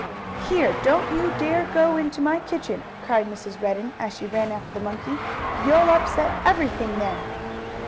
"Here! Don't you dare go into my kitchen!" cried Mrs. Redden, as she ran after the monkey. "You'll upset everything there!"